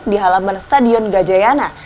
di halaman stadion gajayana